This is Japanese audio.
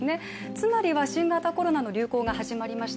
つまりは新型コロナの流行が始まりました